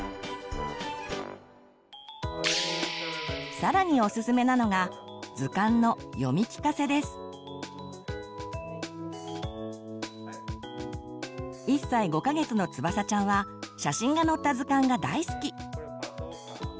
更におすすめなのが図鑑の１歳５か月のつばさちゃんは写真が載った図鑑が大好き。